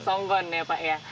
songgon ya pak ya